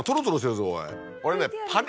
俺ね。